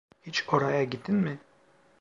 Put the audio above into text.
Hiç oraya gittin mi?